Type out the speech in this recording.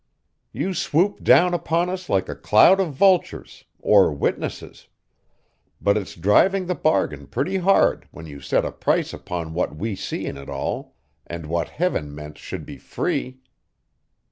You swoop down upon us like a cloud of vultures, or witnesses; but it's driving the bargain pretty hard, when you set a price upon what we see in it all, and what heaven meant should be free.